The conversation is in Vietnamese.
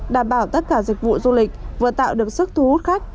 đảm bảo tất cả dịch vụ du lịch vừa tạo được sức thu hút khách